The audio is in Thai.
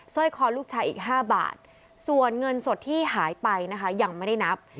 ร้อยคอลูกชายอีก๕บาทส่วนเงินสดที่หายไปนะคะยังไม่ได้นับ